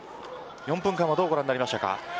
４分間はどうご覧になりますか。